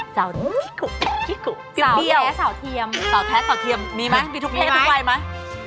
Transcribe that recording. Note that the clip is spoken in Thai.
สาวสาวเทียมสาวแท้สาวเทียมมีมั้ยมีทุกเพศทุกวัยมั้ย